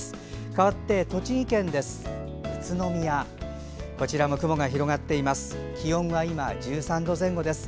かわって、栃木県です。